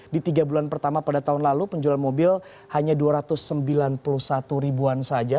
dua ribu tujuh belas di tiga bulan pertama pada tahun lalu penjualan mobil hanya dua ratus sembilan puluh satu ribuan saja